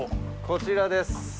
こちらです。